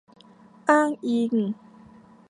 อ้างอิง